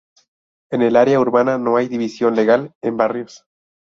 En el área urbana no hay división legal en barrios.